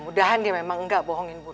mudah mudahan dia memang gak bohongin bunda